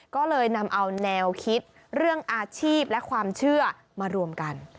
ก็เลยนำเอาแนวคิดเรื่องอาชีพและความเชื่อมารวมกัน